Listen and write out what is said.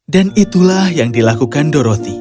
dan itulah yang dilakukan dorothy